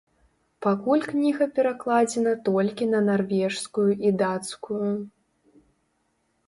Пакуль кніга перакладзена толькі на нарвежскую і дацкую.